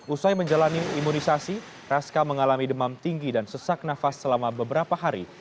usai menjalani imunisasi raska mengalami demam tinggi dan sesak nafas selama beberapa hari